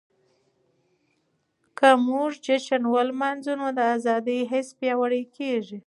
که موږ جشن ولمانځو نو د ازادۍ حس پياوړی کيږي.